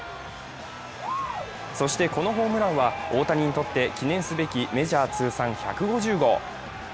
そして、このホームランは大谷にとって記念すべきメジャー通算１５０号。